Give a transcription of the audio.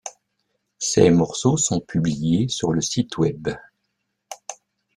Ces morceaux sont publiés sur le site web.